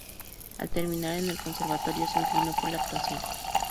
Al terminar en el Conservatorio se inclinó por la actuación.